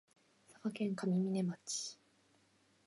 佐賀県上峰町